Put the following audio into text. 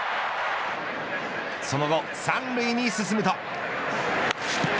その後３塁に進むと。